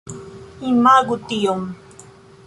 Imagu tion.